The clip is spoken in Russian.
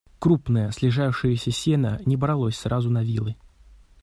Крупное, слежавшееся сено не бралось сразу на вилы.